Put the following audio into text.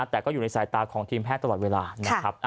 แต่ก็อยู่ในสายตาของทีมแพทย์ตลอดเวลานะครับ